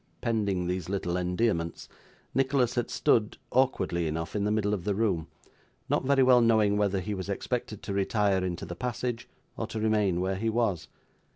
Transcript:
Pending these little endearments, Nicholas had stood, awkwardly enough, in the middle of the room: not very well knowing whether he was expected to retire into the passage, or to remain where he was.